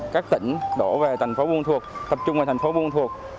các tỉnh đổ về thành phố bùi ma thuột tập trung vào thành phố bùi ma thuột